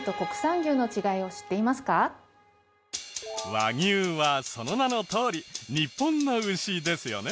和牛はその名のとおり日本の牛ですよね。